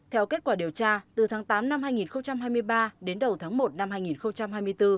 theo kết quả điều tra từ tháng tám năm hai nghìn hai mươi ba đến đầu tháng một năm hai nghìn hai mươi bốn